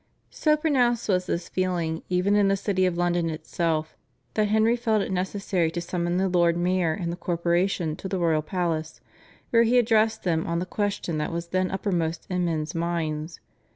So pronounced was this feeling even in the city of London itself, that Henry felt it necessary to summon the Lord Mayor and the Corporation to the royal palace, where he addressed them on the question that was then uppermost in men's minds.